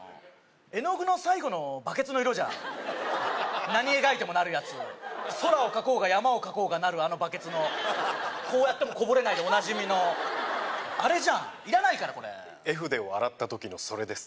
絵の具の最後のバケツの色じゃん何描いてもなるやつ空を描こうが山を描こうがなるあのバケツのこうやってもこぼれないでおなじみのあれじゃんいらないからこれ絵筆を洗った時のそれです